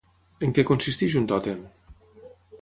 En què consisteix un tòtem?